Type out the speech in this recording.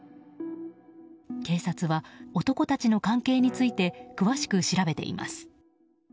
警察は男たちの関係について詳しく調べています。